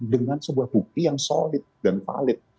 dengan sebuah bukti yang solid dan valid